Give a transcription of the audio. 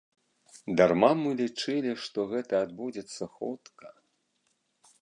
Дарма мы лічылі, што гэта адбудзецца хутка.